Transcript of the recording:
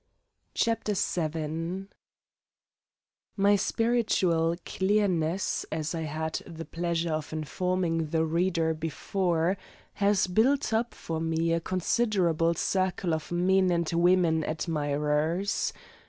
CHAPTER VII My spiritual clearness, as I had the pleasure of informing the reader before, has built up for me a considerable circle of men and women admirers.